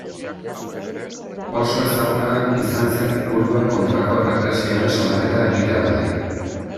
Oso ezaguna izan zen Kurduen kontrako errepresioaren salaketa egiteagatik.